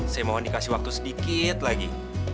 saya mohon dikasih waktu sedikit lagi